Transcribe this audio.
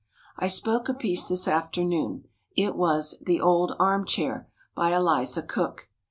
I spoke a piece this afternoon. It was "The Old Arm Chair," by Eliza Cook.